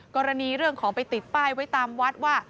กรณีเรื่องของไปติดป้ายไว้ตามวัดว่า